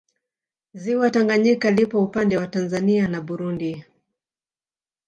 Ziwa Tanganyika lipo upande wa Tanzania na Burundi